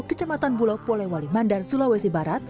kecematan bulo polewali mandar sulawesi barat